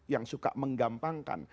yang suka menggampangkan